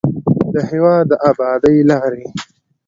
د هېواد د ابادۍ لارې